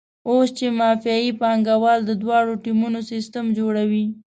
اوس چې مافیایي پانګوال د دواړو ټیمونو سیستم جوړوي.